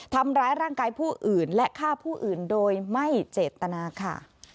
ทำร้ายร่างกายผู้อื่นและฆ่าผู้อื่นโดยไม่เจตนาค่ะ